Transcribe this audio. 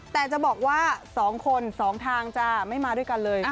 แต่จะบอกว่า๒คน๒ทางจะไม่มาด้วยกันเลย